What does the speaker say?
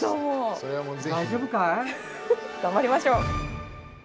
頑張りましょう！